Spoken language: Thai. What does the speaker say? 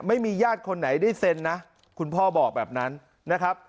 ไม่มีญาติคนไหนได้เซ็นนะคุณพ่อบอกแบบนั้นนะครับ